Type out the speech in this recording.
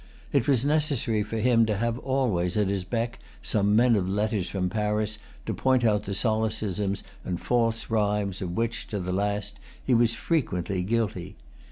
It was necessary for him to have always at his beck some men of letters from Paris to point out the solecisms and false rhymes of which, to the last, he was frequently guilty.